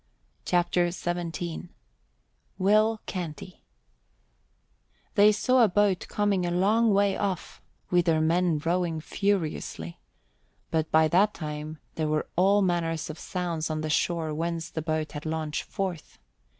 CHAPTER XVII WILL CANTY They saw a boat coming a long way off, with her men rowing furiously, but by that time there were all manner of sounds on the shore whence the boat had launched forth.